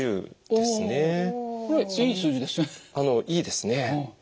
いいですね。